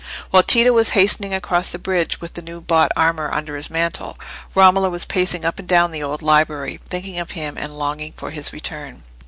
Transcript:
While Tito was hastening across the bridge with the new bought armour under his mantle, Romola was pacing up and down the old library, thinking of him and longing for his return.